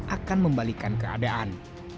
akan membalikan keadaan